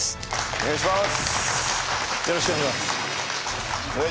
お願いします。